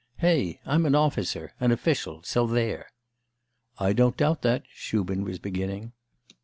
Hey! I'm an officer, an official, so there.' 'I don't doubt that ' Shubin was beginning.